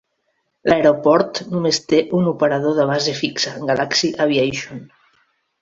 L'aeroport només té un operador de base fixa, Galaxy Aviation.